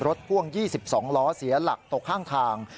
พ่วง๒๒ล้อเสียหลักตกข้างทาง